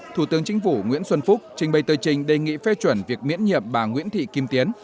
thủ tướng chính phủ nguyễn xuân phúc trình bày tờ trình đề nghị phê chuẩn việc miễn nhiệm bà nguyễn thị kim tiến